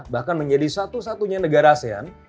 bahkan menjadi satu satunya negara asean